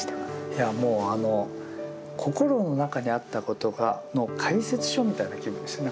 いやもうあの心の中にあったことの解説書みたいな気分でした。